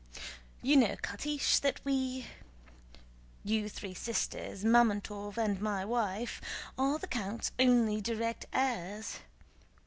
"You know, Catiche, that we—you three sisters, Mámontov, and my wife—are the count's only direct heirs.